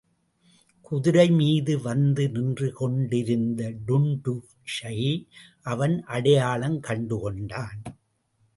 குதிரை மீது வந்து நின்று கொண்டிருந்த டுன்டுஷை அவன் அடையாளங் கண்டுகொண்டான்.